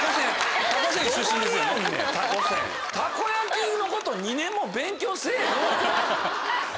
たこ焼きのこと２年も勉強せぇへんわ。